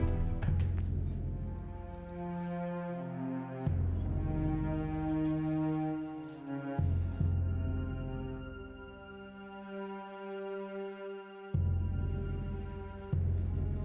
terima kasih pak